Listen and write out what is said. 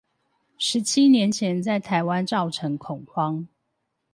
十七年前在台灣造成恐慌